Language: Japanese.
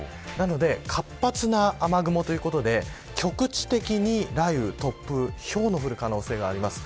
活発な雨雲ということで局地的に雷雨や突風ひょうの降る可能性があります。